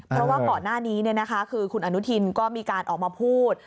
เพราะว่าก่อนหน้านี้คือคุณอนุทินก็มีการออกมาพูด